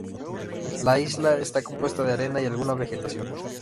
La isla está compuesta de arena y alguna vegetación.